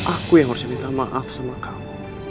aku yang harusnya minta maaf sama kamu